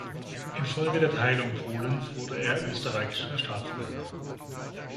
Infolge der Teilung Polens wurde er österreichischer Staatsbürger.